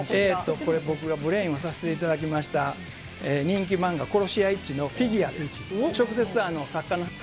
これ、僕がブレーンをさせていただきました、人気漫画、殺し屋１のフィギュアです。